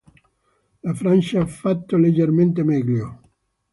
La Francia ha fatto leggermente meglio.